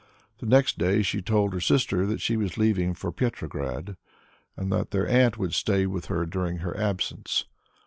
The next day she told her sister that she was leaving for Petrograd, and that their aunt would stay with her during her absence.